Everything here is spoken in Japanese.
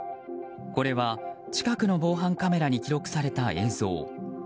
これは、近くの防犯カメラに記録された映像。